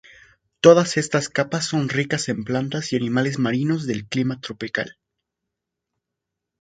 Todas estas capas son ricas en plantas y animales marinos de clima tropical.